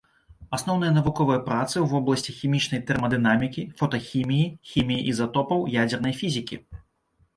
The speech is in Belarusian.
Асноўныя навуковыя працы ў вобласці хімічнай тэрмадынамікі, фотахіміі, хіміі ізатопаў, ядзернай фізікі.